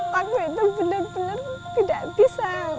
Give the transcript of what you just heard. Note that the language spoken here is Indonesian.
waktu itu benar benar tidak bisa